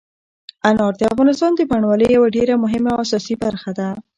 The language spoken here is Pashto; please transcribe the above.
انار د افغانستان د بڼوالۍ یوه ډېره مهمه او اساسي برخه ده.